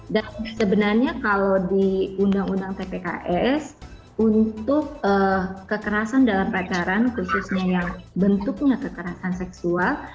sebenarnya kalau di undang undang tpks untuk kekerasan dalam pacaran khususnya yang bentuknya kekerasan seksual